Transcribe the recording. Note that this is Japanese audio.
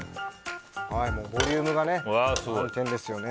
ボリューム満点ですよね。